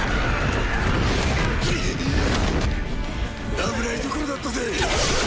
・危ないところだったぜ。